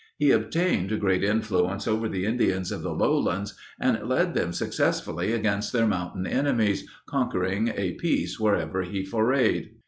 He obtained great influence over the Indians of the lowlands and led them successfully against their mountain enemies, conquering a peace wherever he forayed.